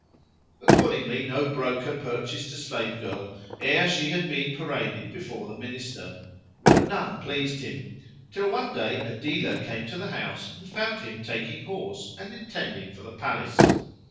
Accordingly no broker purchased a slave girl ere she had been paraded before the minister; but none pleased him, till one day a dealer came to the house and found him taking horse and intending for the palace.